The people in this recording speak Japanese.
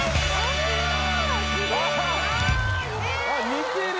似てる。